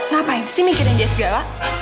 ngapain sih mikirin dia segala